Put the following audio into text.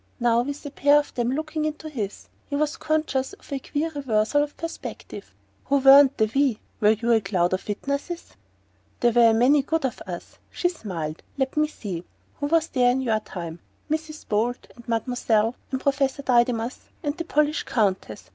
Now, with a pair of them looking into his, he was conscious of a queer reversal of perspective. "Who were the 'we'? Were you a cloud of witnesses?" "There were a good many of us." She smiled. "Let me see who was there in your time? Mrs. Bolt and Mademoiselle and Professor Didymus and the Polish Countess.